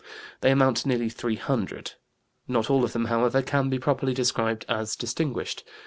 They amount to nearly 300. Not all of them, however, can be properly described as distinguished.